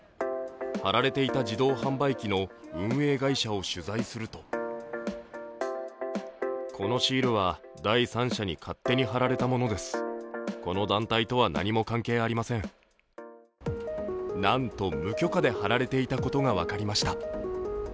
貼られていた自動販売機の運営会社を取材するとなんと、無許可で貼られていたことが分かりました。